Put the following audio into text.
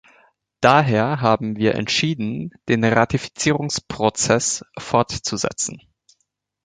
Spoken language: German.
Daher haben wir entschieden, den Ratifizierungsprozess fortzusetzen.